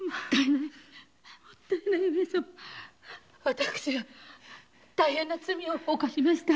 私が大変な罪を犯しました。